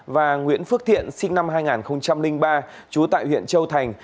và nguyễn phước thiện sinh năm hai nghìn ba trú tại huyện châu thành